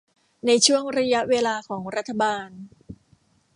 ในช่วงระยะเวลาของรัฐบาล